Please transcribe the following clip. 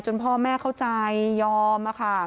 พ่อแม่เข้าใจยอม